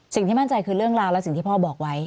สิ่งที่มั่นใจคือเรื่องราวและสิ่งที่พ่อบอกไว้